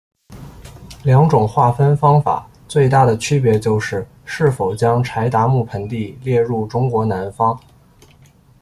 两种划分方法最大的区别就是是否将柴达木盆地列入中国南方。